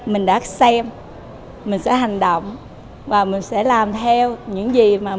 mình đã xem mình sẽ hành động và mình sẽ làm theo những gì mà mình đã hiểu